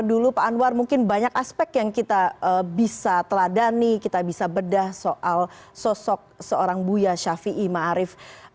pada saat ini pak anwar mungkin banyak aspek yang kita bisa teladani kita bisa bedah soal sosok seorang buya shafi'i marif